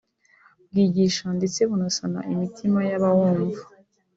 bwigisha ndetse bunasana imitima y’abawumva